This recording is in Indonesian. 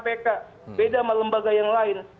beda sama lembaga yang lain